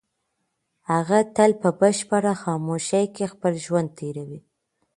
هغه تل په بشپړه خاموشۍ کې خپل ژوند تېروي.